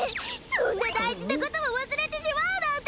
そんなだいじなこともわすれてしまうなんて！